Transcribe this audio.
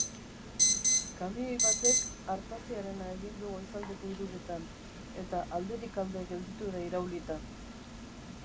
Kamioi batek artaziarena egin du goizaldeko hiruretan eta alderik alde gelditu da iraulita.